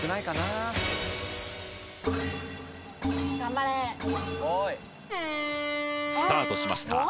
頑張れスタートしました